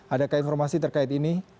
adakah informasi terkait ini